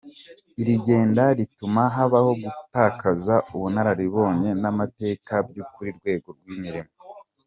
Iri genda rituma habaho gutakaza ubunararibonye n’amateka by’uru rwego rw’imirimo ".